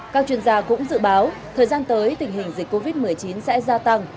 các chuyên gia cũng dự báo thời gian tới tình hình dịch covid một mươi chín sẽ gia tăng